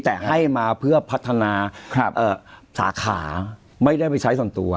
แต่ให้มาเพื่อพัฒนาสาขาไม่ได้ไปใช้ส่วนตัว